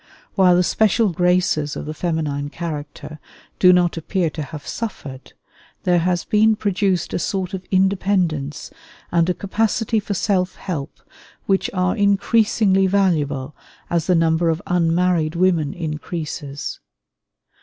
While the special graces of the feminine character do not appear to have suffered, there has been produced a sort of independence and a capacity for self help which are increasingly valuable as the number of unmarried women increases.